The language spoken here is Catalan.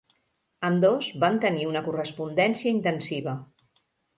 Ambdós van tenir una correspondència intensiva.